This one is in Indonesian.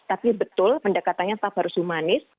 tapi betul pendekatannya tetap harus humanis